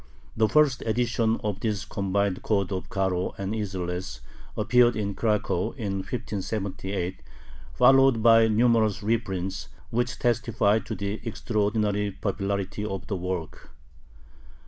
The first edition of this combined code of Caro and Isserles appeared in Cracow in 1578, followed by numerous reprints, which testify to the extraordinary popularity of the work.